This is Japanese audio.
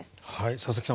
佐々木さん